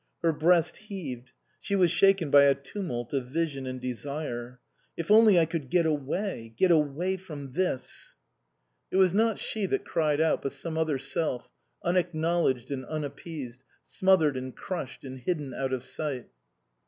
Her breast heaved ; she was shaken by a tumult of vision and desire. " If only I could get away get away from this !" 80 INLAND It was not she that cried out, but some other self, unacknowledged and unappeased, smothered and crushed and hidden out of sight.